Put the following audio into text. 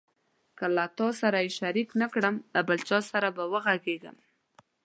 که له تا سره یې شریک نه کړم له بل چا سره به وغږېږم.